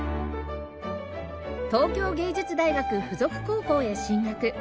東京藝術大学附属高校へ進学